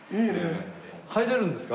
入れるんですか？